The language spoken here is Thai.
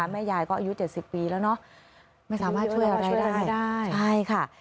แม่ยายก็อายุ๗๐ปีแล้วเนอะไม่สามารถช่วยอะไรได้ใช่ค่ะ